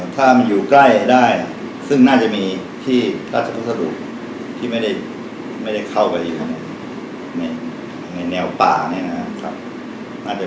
ถ้ามันอยู่ใกล้ได้ซึ่งน่าจะมีที่ราชพุทธฤทธิ์ที่ไม่ได้เข้ากันอยู่ในแนวป่านี้นะครับ